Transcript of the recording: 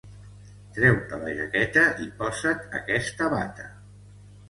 Treu-te la jaqueta i posa't aquesta bata.